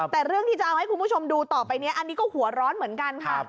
แต่เรื่องที่จะเอาให้คุณผู้ชมดูต่อไปนี้อันนี้ก็หัวร้อนเหมือนกันค่ะ